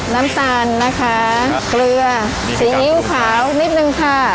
น้ำตาลนะคะเกลือซีอิ๊วขาวนิดนึงค่ะ